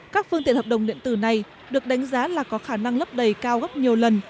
các phương tiện hợp đồng điện tử này được đánh giá là có khả năng lấp đầy cao gấp nhiều lần